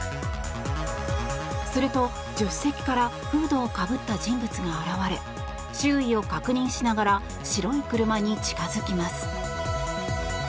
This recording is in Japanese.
すると助手席からフードを被った人物が現れ周囲を確認しながら白い車に近づきます。